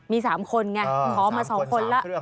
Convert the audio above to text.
มี๓คนไงขอมา๒คนแล้ว